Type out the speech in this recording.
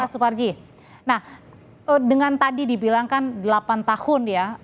suparji nah dengan tadi dibilangkan delapan tahun ya